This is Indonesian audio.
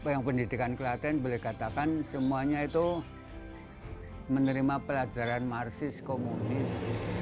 yang pendidikan kelaten boleh katakan semuanya itu menerima pelajaran marsis komunis